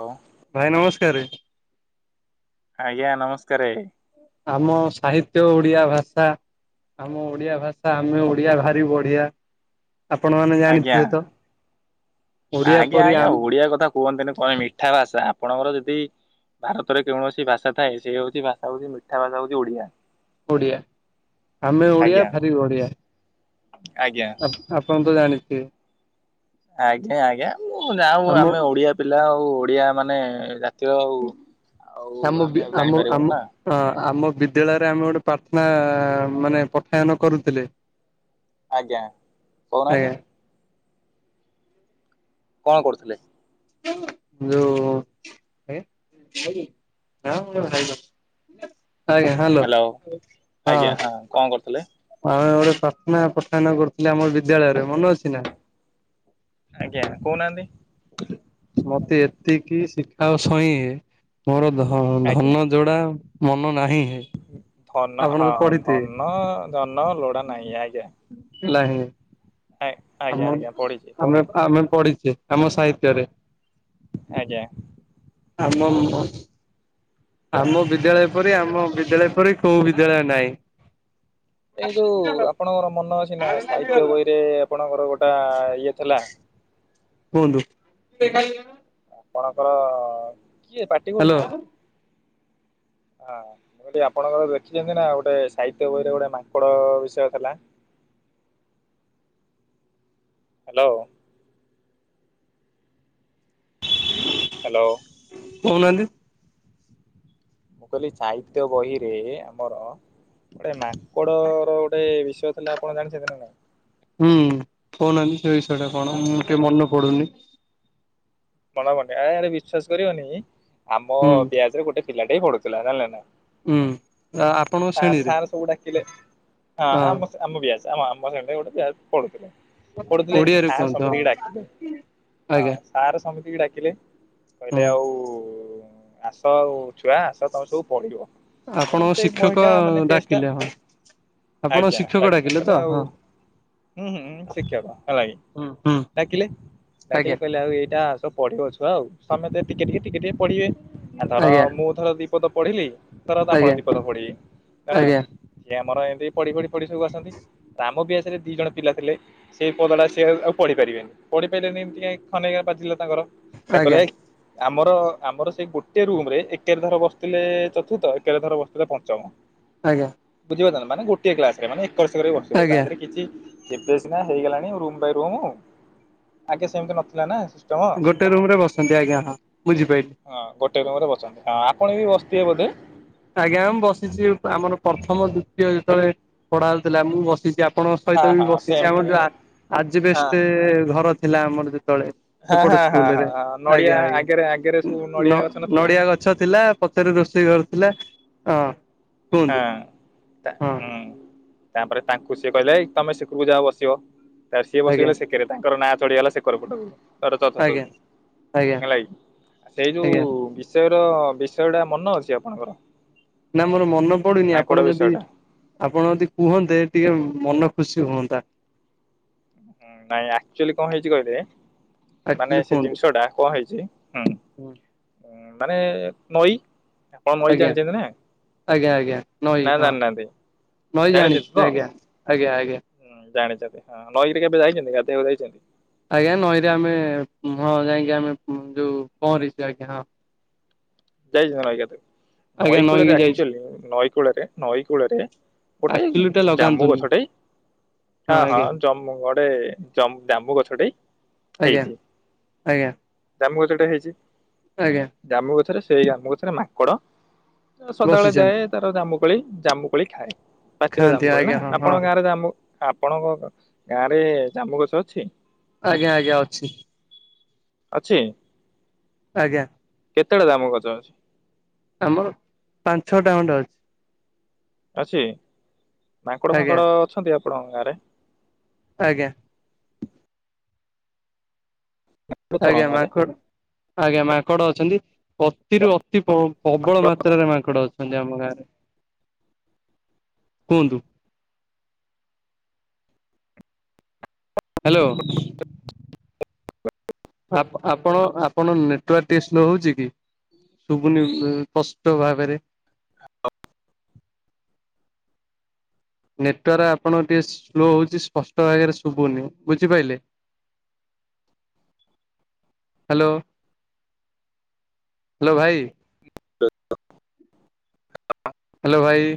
ହଁ। ଭାଇ ନମସ୍କାରେ। ଆଜ୍ଞା ନମସ୍କାରେ। ଆମ ସାହିତ୍ୟ ଓଡ଼ିଆ ଭାଷା। ଆମ ଓଡିଆ ଭାଷା, ଆମେ ଓଡିଆ ଭାରି ବଢ଼ିଆ। ଆପଣମାନେ ଆଜ୍ଞା ଜାଣିଥିବେ ତ ଓଡିଆ ପରି ଆମ କୁହନ୍ତିନି କଣ ମିଠା ଭାଷା ଆପଣଙ୍କର ଯଦି ଭାରତରେ କୌଣସି ଭାଷା ଥାଏ ସେ ହେଉଛି ଭାଷା ହଉଛି ମିଠା ଭାଷା ହଉଛି ଓଡିଆ। ଓଡ଼ିଆ ଆମେ ଓଡ଼ିଆ ଆଜ୍ଞା ଭାରି ବଢ଼ିଆ ଆଜ୍ଞା। ଆ ଆପଣ ତ ଜାଣିଥିବେ। ଆଜ୍ଞା ଆଜ୍ଞା ମୁଁ ଯାଉ ଆମ ଆମେ ଓଡିଆ ପିଲା ଆଉ ଓଡିଆମାନେ ଯା ତୀୟ ଆଉ ଆମେ ଆଉ ଜାଣିପାରିବୁନୁ ନା? ଅଁ ଆମ ବିଦ୍ୟାଳୟରେ ଆମ ଗୋଟେ ପ୍ରାର୍ଥନା ମାନେ ପଠାନ କରୁଥିଲେ। ଆଜ୍ଞା ଆଜ୍ଞା। କହୁନାହାନ୍ତି। କଣ, କରୁଥିଲେ? ଯୋଉ [inaudible] ଆଜ୍ଞା। ହ୍ୟାଲୋ ଆଜ୍ଞା କଣ କରୁଥିଲେ ହଁ। ଆମେ ଗୋଟେ ପ୍ରାର୍ଥନା ପଠାନ କରୁଥିଲେ ଆମ ବିଦ୍ୟାଳୟରେ, ମନେ ଅଛି ନା? ଆଜ୍ଞା, କଉନାହାନ୍ତି। ମତେ ଏତିକି ଶିଖାଅ, ସଇଁଏ ମୋର ଧ ଆଜ୍ଞା। ଧନ ଯୋଉଟା ମନ ନାହିଁ। ଧନ ଆପଣ ତ ହଁଁ ପଢିଥିବେ ଧନ, ଯନ ଲୋଡା ନାହିଁ ଆଜ୍ଞା। ହେଲା ହିନି। ଆଜ୍ଞା ଆମ ଆଜ୍ଞା ପଢିଛି ଆମେ କହୁନାହାନ୍ତି ଆମେ ପଢି଼ଚେ ଆମ ସାହିତ୍ୟରେ। ଆଜ୍ଞା। ଆମ ମ ଆମ ବିଦ୍ୟାଳୟ ପରି, ଆମ ବିଦ୍ୟାଳୟ ପରି କୋଉଁ ବିଦ୍ୟାଳୟ ନାହିଁ। ଏଇ ଯୋଉଁ ଆପଣଙ୍କର ମନ ଅଛି ନା ସାହିତ୍ୟ ବହିରେ ଆପଣଙ୍କର ଗୋଟା ଇଏ ଥିଲା। କୁଅନ୍ତୁ। [inaudible] ଆପଣଙ୍କର କିଏ ପାଟି ହ୍ୟାଲୋ କରୁଚି, କିଏ? ହଁ ଯଦି ଆପଣଙ୍କର ଦେଖିଚନ୍ତି ନା, ଗୋଟେ ସାହିତ୍ୟ ବହିରେ ଗୋଟେ ମାଙ୍କଡ଼ ବିଷୟ ଥିଲା। Hello hello! କଉନାହାନ୍ତି। ମୁଁ କହିଲି ସାହିତ୍ୟ ବହିରେ ଆମର। ଗୋଟେ ମାଙ୍କଡ଼ର ଗୋଟେ ବିଷୟ ଥିଲା। ଆପଣ ଜାଣିଚନ୍ତି ନା ନାଇଁ? ହୁଁ କଉନାହାନ୍ତି, ସେ ବିଷୟଟା କଣ? ହୁଁ ମୁଁ ଟିକେ ମନେ ପଡୁନି। ମନ ପଡୁନି। ଆରେ ବିଶ୍ଵାସ କରିବନି ଆମ ହୁଁ ବ୍ୟାଚରେ ଗୋଟେ ପିଲାଟିଏ ପଢ଼ୁଥିଲା ଜାଣିଲେ ନା? ହୁଁ ଆପଣଙ୍କ ସାର୍ ଶ୍ରେଣୀରେ ସାର୍ ସବୁ ଡାକିଲେ ହଁ, ଆମ ଆମ ବ୍ୟାସ୍ ଆମ ଆମ ସାଙ୍ଗରେ ଗୋଟେ ବ୍ୟାଚ୍ ପଢ଼ୁଥିଲେ। ପଢ଼ୁଥିଲେ ଓଡିଆରେ ସାର୍ କୁହନ୍ତୁ ହଁ [unintelligible] ଡାକିଲେ ଆଜ୍ଞା ହଁ। ସାର୍ ସମିତିକି ଡାକିଲେ ହୁଁ କହିଲେ ଆଉ ଆସ ଆଉ ଛୁଆ ଆସ ତମେ ସବୁ ପଡ଼ିବ। ଆପଣଙ୍କ ସେଇ ଶିକ୍ଷକ ବହିଟା, ମାନେ ପେଜଟା। ଡାକିଲେ ହଁ ଆପଣ ଆଜ୍ଞା, ଶିକ୍ଷକ ଡାକିଲେ, ତ କହିଲେ ଆଉ ହଁ ହୁଁ, ହୁଁ ଶିକ୍ଷକ ହେଲା କି ହୁଁ ହୁଁ ଡାକିଲେ ଆଜ୍ଞା ଡାକିଲେ କହିଲେ ଆଉ ଏଇଟା ତ ପଢିବ ଛୁଆ, ଆଉ ସମସ୍ତେ ଟିକେ-ଟିକେ-ଟିକେ-ଟିକେ ପଢ଼ିବେ, ଆଥର ଆଜ୍ଞା ମୁଁ ଧର ଦିପଦ ପଢ଼ିଲି। ଧର ଆପଣ ଆଜ୍ଞା ଦିପଦ ପଢିଇ ତାରା ଆଜ୍ଞା ସିଏ ଆମର ଏମତି ପଢି଼-ପଢି଼-ପଢି଼ ସବୁ ଆସନ୍ତି। ଆମ ବ୍ୟାଚରେ ଦିଇ ଜଣ ପିଲା ଥିଲେ। ସେଇ ପଦାଟା ସିଏ ଆଉ ପଢ଼ି ପାରିବେନି ପଢ଼ି ପାଇଲେନି। ଏମତି ଖନେଇ କା ପାଚିଲା ତାଙ୍କର ତାକୁ ଆଜ୍ଞା ଏଇକ୍ ଆମର ଆମର ସେଇ ଗୋଟେ ରୁମରେ ଏକ୍ ତିଆର୍ ର ବସିଥିଲେ ଚତୁର୍ଥ ଏକାଥର ବସିଥିଲେ ପଞ୍ଚମ। ଆଜ୍ଞା। ବୁଝିପାରୁଚ ନା? ମାନେ ଗୋଟିଏ କ୍ଲାସରେ ମାନେ ଏକର ସେକର ବସିଥିଲେ ତା ଆଜ୍ଞା ଦିହରେ କିଛି। ଏବେ ସିନା ହେଇଗଲାଣି, ରୁମ୍ ବାଇ ରୁମ୍ ଆଗେ ସେମତି ନଥିଲା ନା। ସିଷ୍ଟମ। ଗୋଟେ ରୁମରେ ବସନ୍ତି। ଆଜ୍ଞା ହଁ, ବୁଝିପାଇଲି। ହଁ ଗୋଟେ ରୁମ୍ ରେ ବସନ୍ତି। ହଁ ଆପଣ ବି ବସିିଥିବେ ବୋଧେ। ଆଜ୍ଞା ମୁଁ ବସିଛି ଆମର ପ୍ରଥମ ଦ୍ଵିତୀୟ ଯେତେବେଳେ ପଢା ହେଉଥିଲା ମୁଁ ବସିଛି। ଆପଣଙ୍କ ସହିତ ହଁ ବି ହଁ ବସିଛି ସେମତି ଆମର ହଁ ଯୋଉ ଆ ଆଜି ବେଷ୍ଟେ ହଁ ଘର ଥିଲା ଆମର ଯେତେବେଳେ। ସେପଟ ହଁ ହଁ ସ୍କୁଲ୍ ରେ ହଁ ନଡିଆ ଆଜ୍ଞା ଆଜ୍ଞା ଆଗରେ ଆଗରେ ସବୁ ନ ନଡିଆ ଗଛ ନଥିଲା ନଡିଆ ଗ ଛ ଥିଲା ପଛରେ ରୋଷେଇ ଘର ଥିଲା ହଁ। କୁହନ୍ତୁ ହଁ ତା ହଁ ହୁଁ। ତାପରେ ତାଙ୍କୁ ସିଏ କହିଲେ ହେଇ ତମେ ସେଖକୁ ଯାଅ ବସିବ ତ ସିଏ ଆଜ୍ଞା ବସିଗଲେ ସେକେରେ। ତାଙ୍କର ନାଁ ଚଢିଗଲା ସେକର ପଟକୁ। ତର ଚଥ ଆଜ୍ଞା ତକୁ ଆଜ୍ଞା ହେଲାକି ସେଇ ଯଉ ଆଜ୍ଞା ସେର ବିଷୟ ଟା ମନେ ଅଛି ଆପଣଙ୍କର? ନା ମୋର ମନେ ପଡୁନି ମାଙ୍କଡ ଆପଣ ବିଷୟ ଯଦି ଟା ଆପଣ ଯଦି କୁହନ୍ତେ ଟିକେ ମନ ଖୁସି ହୁଅନ୍ତା। ନାଇ ଆକ୍ଚୁଲି କଣ ହେଇଛି କହିଲେ ମାନେ ଆକ୍ଚୁଆଲି ସେ କୁହନ୍ତୁ। ଜିନ୍ଷ ଟା କଣ ହେଇଛି ହୁଁ। ହୁଁ ମାନେ ନଈ ଆପଣ ନଈ ଆଜ୍ଞା ଜାଣିଛନ୍ତି ନା ଆଜ୍ଞା ଆଜ୍ଞା ନଈ ନା ହଁ ଜାଣିନାହାନ୍ତି ନଈଁ ଜାଣିଛି ଆଜ୍ଞା। ଆଜ୍ଞା ଆଜ୍ଞା। ଜାଣଚନ୍ତି ହଁ ନଈରେ କେବେ ଯାଇଛନ୍ତି ଗାଧେଇବାକୁ ଯାଇଚନ୍ତି? ଆଜ୍ଞା ନଈରେ ଆମେ ହଁ ଯାଇକି ଆମେ ଯୋଉ ପହଁରିଛୁ ଆଜ୍ଞା ହଁ। ଯାଇଛନ୍ତି ନଈକାତକୁ ଆଜ୍ଞା ନଈକି ନଈକୂଳରେ ଯାଇଛି ଆକ୍ଚୁଲି ନଈକୂଳରେ ନଈକୂଳରେ ଗୋଟେ ଆକ୍ଚୁଆଲି ଟା ଜାମୁ ଲଗାନ୍ତୁନି ଗଛଟେ ହଁ ହଁ ଜମ୍ ମୁଁ ଗଡେ ଜମ୍ ଜାମୁ ଗଛଟେ ଆଜ୍ଞା ହେଇଛି। ଆଜ୍ଞା ଜାମୁ ଗଛ ଟେ ହେଇଛି। ଆଜ୍ଞା। ଜାମୁ ଗଛରେ ସେଇ ଜାମୁ ଗଛରେ ମାକଡ ଅ ସଦାବେଳେ ବସିଛନ୍ତି ଯାଏ। ତାର ଜାମୁ କୋଳି ଜାମୁ କୋଳି ଖାଏ ପ୍ରଚୀର ଖାଆନ୍ତି ଜାମୁ କୋଳି ନା ଆଜ୍ଞା ହଁ ହଁ ଆପଣ ଗାଁରେ ଜାମୁ ଆପଣଙ୍କ ଗାଁ ରେ ଜାମୁ ଗଛ ଅଛି? ଆଜ୍ଞା ଆଜ୍ଞା ଅଛି। ଅଛି? ଆଜ୍ଞା। କେତେଟା ଜାମୁ ଗଛ ଅଛି? ଆମର ପାଞ୍ଚ୍ ଛଅଟା ଖଣ୍ଡେ ଅଛି। ଅଛି ମାଙ୍କଡ଼ ଆଜ୍ଞା ଫାଙ୍କଡ଼ ଅଛନ୍ତି ଆପଣଙ୍କ ଗାଁରେ? ଆଜ୍ଞା। ଆଜ୍ଞା ଆପଣଙ୍କ ଗାଁରେ? ମାଙ୍କଡ ଆଜ୍ଞା ମାଙ୍କଡ ଅଛନ୍ତି। ଅତିରୁ ଅତି ପ୍ର ପ୍ରବଳ ମାତ୍ରାରେ ମାଙ୍କଡ ଅଛ ପଞ୍ଜା ଆମ ଗାଁରେ କୁହନ୍ତୁ? ହାଲୋ। ଆପ ଆପଣ ଆପଣ ନେଟ୍ୱାର୍କ ଟିକେ ସ୍ଲୋ ହଉଛି କି? ଶୁବୁନି ପଷ୍ଟ ଭାବେରେ। ନେଟୱାର୍ ଆପଣଙ୍କ ଟିକେ ସ୍ଲୋ ହଉଛି ସ୍ପଷ୍ଟ ଭାବେରେ ଶୁଭୁନି ବୁଝିପାଇଲେ? [unintelligible] ହାଲୋ ହାଲୋ ଭାଇ। [unintelligible] ହାଲୋ ଭାଇ।